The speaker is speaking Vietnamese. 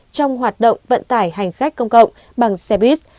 trong hoạt động vận tải hành khách công cộng bằng xe buýt